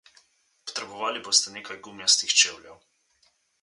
Potrebovali boste nekaj gumijastih čevljev.